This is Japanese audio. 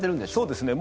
そうですね。